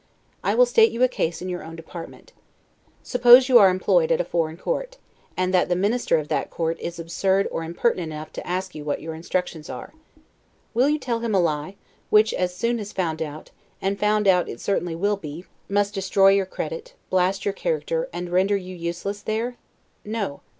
I will state you a case in your own department. Suppose you are employed at a foreign court, and that the minister of that court is absurd or impertinent enough to ask you what your instructions are? will you tell him a lie, which as soon as found out (and found out it certainly will be) must destroy your credit, blast your character, and render you useless there? No.